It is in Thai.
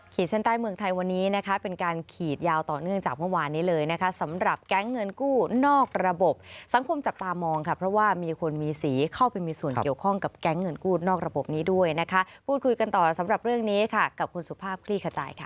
ข่วยกันต่อสำหรับเรื่องนี้ค่ะกับคุณสุภาพคลี่ขจายค่ะ